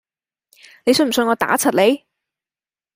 你信唔信我打柒你？